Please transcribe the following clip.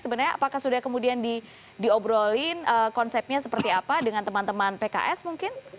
sebenarnya apakah sudah kemudian diobrolin konsepnya seperti apa dengan teman teman pks mungkin